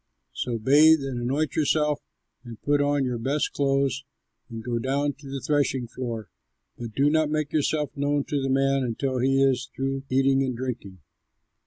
So bathe and anoint yourself and put on your best clothes and go down to the threshing floor; but do not make yourself known to the man until he is through eating and drinking.